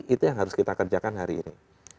itu yang harus kita kerjakan hari ini